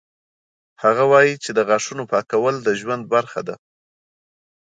هغه وایي چې د غاښونو پاکول د ژوند برخه ده.